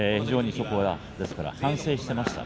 そこは反省していました。